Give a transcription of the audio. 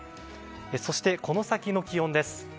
そして、この先の気温です。